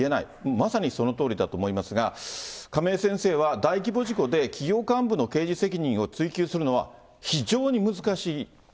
まさにそのとおりだと思いますが、亀井先生は、大規模事故で企業幹部の刑事責任を追及するのは非常に難しいと。